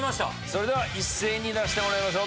それでは一斉に出してもらいましょう。